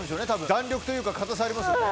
弾力というか硬さありますよね。